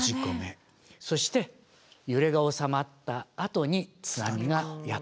そして揺れが収まったあとに津波がやって来る。